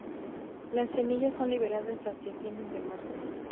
Las semillas son liberadas hacia fines de marzo.